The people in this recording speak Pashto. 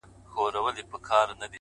• اوس په ځان پوهېږم چي مين يمه،